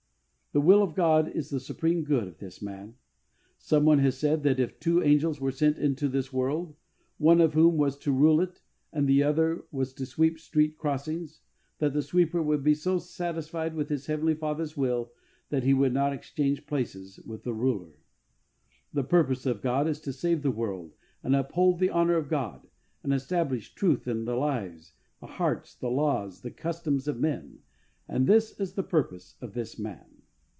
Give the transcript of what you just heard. '' The will of God is the supreme good of this man. Some one has said that if two angels were sent into this world, one of whom was to rule it and the other was to sweep street crossings, that the sweeper would be so satisfied with his Heavenly Father's will that he would not exchange places with the ruler. The purpose of Jesus is to save the world and uphold the honour of God, and establish truth in the lives, the hearts, the laws, the customs of men, and this is the purpose of this man.